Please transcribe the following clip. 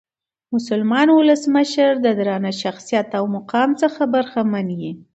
مسلمان اولس مشر د درانه شخصیت او مقام څخه برخمن يي.